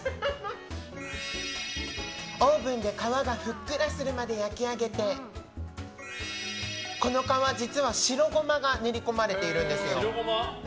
オーブンで皮がふっくらするまで焼き上げてこの皮、実は白ゴマが練りこまれてるんですよ。